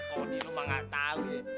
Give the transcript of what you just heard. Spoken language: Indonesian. kalau di rumah gak tau ya